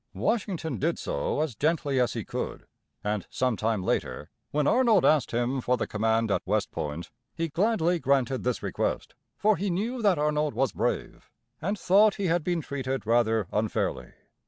Washington did so as gently as he could, and some time later, when Arnold asked him for the command at West Point, he gladly granted this request; for he knew that Arnold was brave, and thought he had been treated rather unfairly.